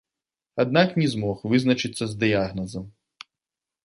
Аднак не змог вызначыцца з дыягназам.